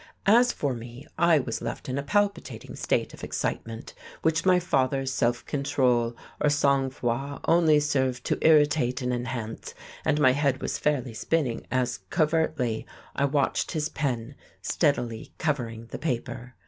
As for me, I was left in a palpitating state of excitement which my father's self control or sang froid only served to irritate and enhance, and my head was fairly spinning as, covertly, I watched his pen steadily covering the paper.